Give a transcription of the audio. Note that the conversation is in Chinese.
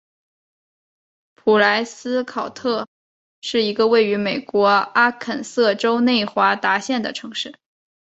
蒲莱斯考特是一个位于美国阿肯色州内华达县的城市。